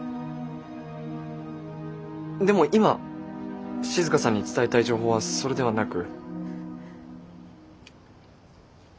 でも今静さんに伝えたい情報はそれではなく。